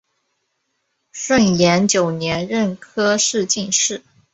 顺治九年壬辰科进士。